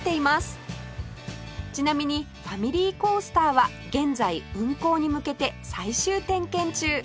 ちなみにファミリーコースターは現在運行に向けて最終点検中